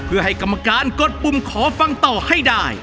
เพื่อให้กรรมการกดปุ่มขอฟังต่อให้ได้